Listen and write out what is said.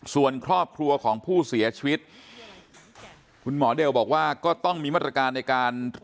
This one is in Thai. ส่วนครอบครัวของผู้เสียชีวิตคุณหมอเดลบอกว่าก็ต้องมีมาตรการในการ